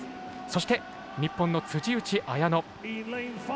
そして日本の辻内彩野。